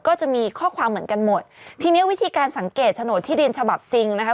ก็จะมีข้อความเหมือนกันหมดทีนี้วิธีการสังเกตโฉนดที่ดินฉบับจริงนะคะ